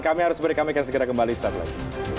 kami harus berikan segera kembali setelah ini